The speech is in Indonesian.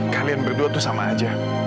kalian berdua tuh sama aja